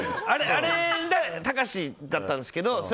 あれで「タカシ」だったんですけど。